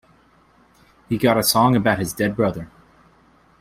He got a song about his dead brother.